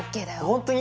本当に？